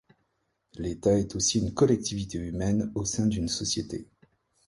L'État est aussi une collectivité humaine au sein d'une société.